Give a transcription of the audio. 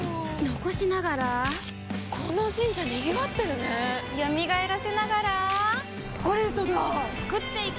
残しながらこの神社賑わってるね蘇らせながらコレドだ創っていく！